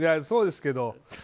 そうですけど。